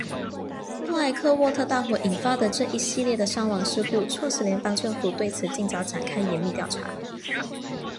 布莱克沃特大火引发的这一系列的伤亡事故促使联邦政府对此尽早展开严密调查。